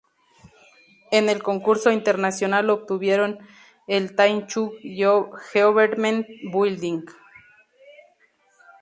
En el concurso internacional obtuvieron el Taichung Government Building.